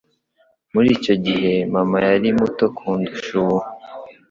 Muri icyo gihe, mama yari muto kundusha ubu.